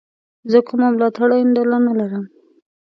زه کومه ملاتړلې ډله نه لرم.